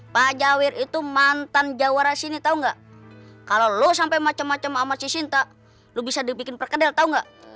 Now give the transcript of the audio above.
pak jawir itu mantan jawara sini tahu enggak kalau lo sampai macam macam ama cinta lu bisa dibikin perkedel tahu enggak